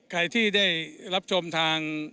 ใครที่ได้รับชมทาง